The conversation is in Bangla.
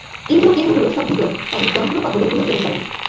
ইন্দ্রিয়কেন্দ্রগুলি সব ভিতরে, তাদের যন্ত্র বা গোলকগুলি কেবল বাইরে।